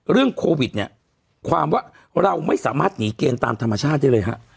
เรื่องโควิดเนี่ยความว่าเราไม่สามารถหนีเกณฑ์ตามธรรมชาติได้เลยฮะ